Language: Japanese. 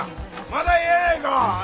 まだええやないか！